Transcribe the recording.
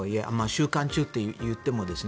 収監中といっても。